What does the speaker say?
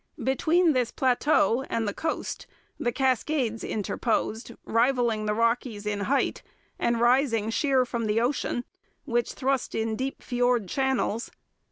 Between this plateau and the coast the Cascades interposed, rivalling the Rockies in height and rising sheer from the ocean, which thrust in deep fiord channels.